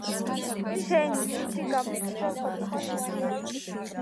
შეინ ლინჩი გამოჩნდა სხვადასხვა რეალურ შოუებში.